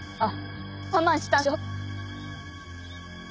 あっ。